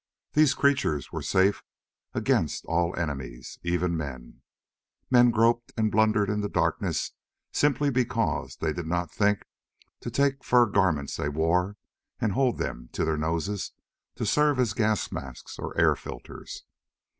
These creatures were safe against all enemies even men. But men groped and blundered in the darkness simply because they did not think to take the fur garments they wore and hold them to their noses to serve as gas masks or air filters.